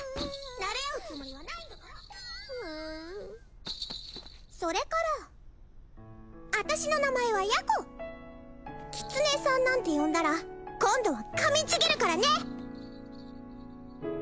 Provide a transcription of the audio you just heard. なれ合うつもりはないんだからううそれからあたしの名前はヤコ「きつねさん」なんて呼んだら今度は噛みちぎるからね！